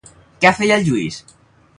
Què feia el Lluís?